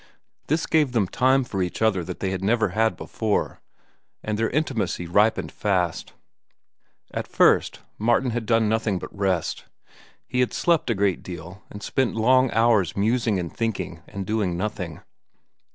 This gave them time for each other that they had never had before, and their intimacy ripened fast. At first, Martin had done nothing but rest. He had slept a great deal, and spent long hours musing and thinking and doing nothing.